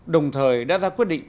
đồng thời đã ra quyết định